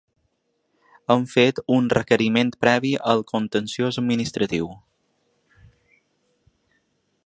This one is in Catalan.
Hem fet un requeriment previ al contenciós administratiu.